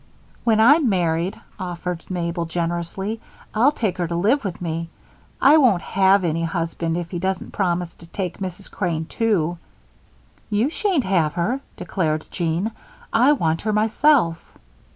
"When I'm married," offered Mabel, generously, "I'll take her to live with me. I won't have any husband if he doesn't promise to take Mrs. Crane, too." "You shan't have her," declared Jean. "I want her myself."